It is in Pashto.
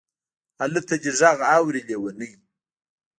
الته دې غږ اوري لېونۍ.